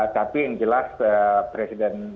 tapi yang jelas presiden